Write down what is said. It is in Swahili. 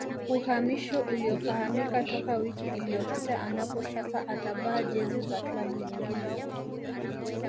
Uhamisho uliofahamika toka wiki iliyopita ambapo sasa atavaa jezi za klabu nyingine